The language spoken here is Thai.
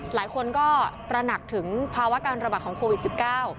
หลายคนก็ตระหนักถึงภาวะการระบาดของโควิดสิบเก้า